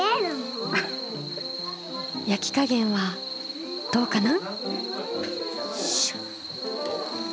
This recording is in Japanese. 焼き加減はどうかな？